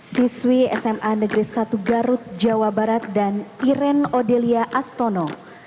siswi sma negeri satu garut jawa barat dan iren odelia astono